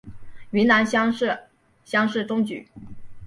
云南乡试乡试中举。